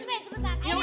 eh bang sebentar